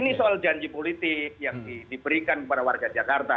ini soal janji politik yang diberikan kepada warga jakarta